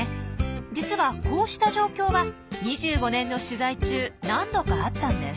実はこうした状況は２５年の取材中何度かあったんです。